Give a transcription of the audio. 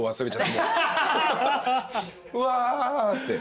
うわって。